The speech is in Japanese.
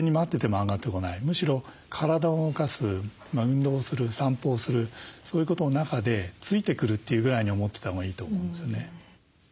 むしろ体を動かす運動をする散歩をするそういうことの中でついてくるというぐらいに思ってたほうがいいと思うんですよね。